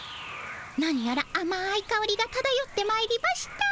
なにやらあまいかおりがただよってまいりました。